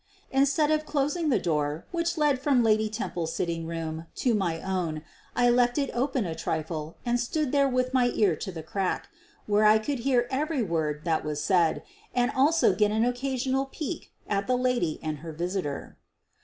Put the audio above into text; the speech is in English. Instead of closing the door which led from Lady Temple's sitting room to my own I left it open a trifle and stood there with my ear to the crack, where I could hear every word that was said and also get an occasional peep at the lady and her visitor.